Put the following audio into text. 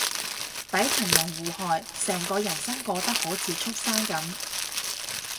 底層人互害，成個人生過得好似畜生噉